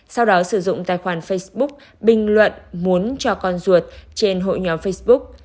sau đó sử dụng tài khoản facebook bình luận muốn cho con ruột trên hội nhóm facebook